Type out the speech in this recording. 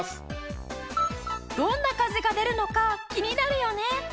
どんな風が出るのか気になるよね。